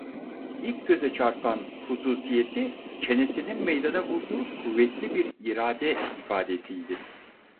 İlk göze çarpan hususiyeti çenesinin meydana vurduğu kuvvetli bir irade ifadesiydi.